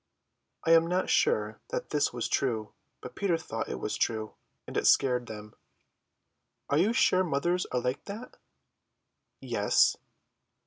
I am not sure that this was true, but Peter thought it was true; and it scared them. "Are you sure mothers are like that?" "Yes."